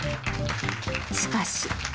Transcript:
しかし。